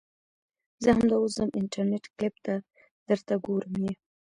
زه همدا اوس ځم انترنيټ کلپ ته درته ګورم يې .